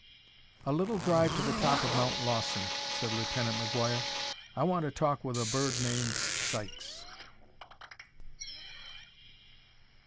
"A little drive to the top of Mount Lawson," said Lieutenant McGuire. "I want to talk to a bird named Sykes."